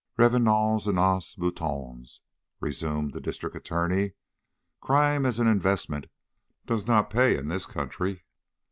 "Revenons à nos moutons," resumed the District Attorney. "Crime, as an investment, does not pay in this country.